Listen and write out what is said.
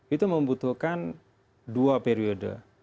itu membutuhkan dua periode